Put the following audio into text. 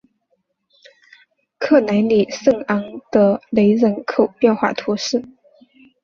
克莱里圣昂德雷人口变化图示